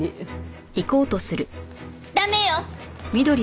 駄目よ！